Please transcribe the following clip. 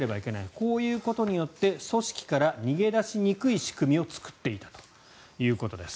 こういうことによって組織から逃げ出しにくい仕組みを作っていたということです。